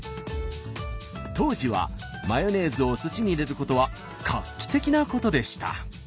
当時はマヨネーズをすしに入れることは画期的なことでした。